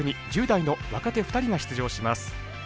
１０代の若手２人が出場します。